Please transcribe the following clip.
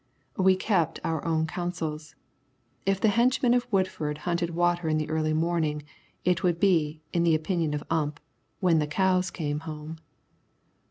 We kept our own counsels. If the henchmen of Woodford hunted water in the early morning, it would be, in the opinion of Ump, "when the cows come home."